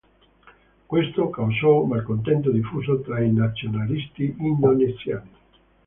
Questo causò malcontento diffuso tra i nazionalisti indonesiani.